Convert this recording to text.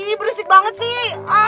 ini berisik banget tee